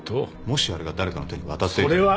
もしあれが誰かの手に渡ったら。